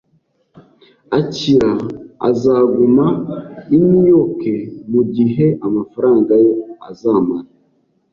Akira azaguma i New York mugihe amafaranga ye azamara.